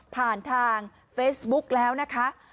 ผ่านทางเฟซบุ๊กแล้วนะคะ